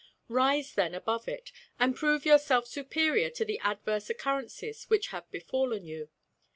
Rise then above it, and prove yourself superior to the adverse occurrences which have befallen you.